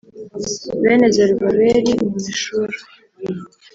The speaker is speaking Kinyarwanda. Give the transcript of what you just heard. Bene Zerubabeli ni Meshula